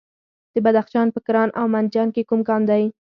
د بدخشان په کران او منجان کې کوم کان دی؟